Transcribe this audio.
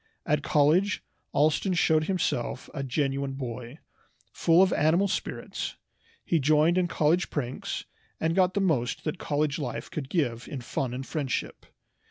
At college Allston showed himself a genuine boy, full of animal spirits. He joined in college pranks, and got the most that college life could give in fun and friendship.